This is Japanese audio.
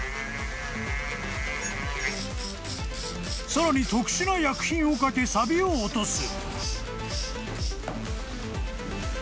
［さらに特殊な薬品をかけさびを落とす］